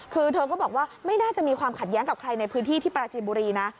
คือเธอก็บอกว่าไม่น่าจะมีความขัดแย้งกับใครในพื้นที่ที่ปราจีนบุรีนะ